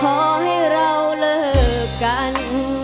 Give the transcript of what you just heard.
ขอให้เราเลิกกัน